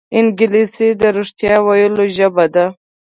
انګلیسي د رښتیا ویلو ژبه ده